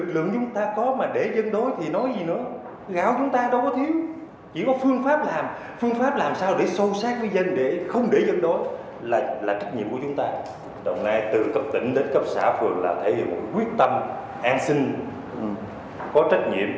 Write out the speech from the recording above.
đồng nai từ cấp tỉnh đến cấp xã phường là thể hiện một quyết tâm an sinh có trách nhiệm